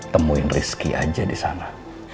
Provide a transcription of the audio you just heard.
temuin rizky aja disana